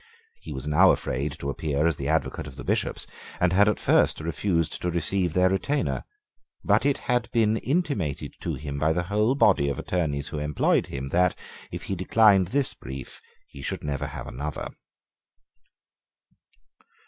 He was now afraid to appear as the advocate of the Bishops, and had at first refused to receive their retainer: but it had been intimated to him by the whole body of attorneys who employed him that, if he declined this brief, he should never have another.